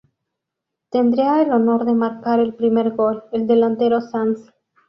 Tendría el honor de marcar el primer gol, el delantero Sanz.